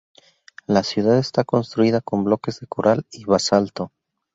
La ciudad está construida con bloques de coral y basalto.